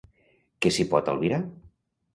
Què s'hi pot albirar?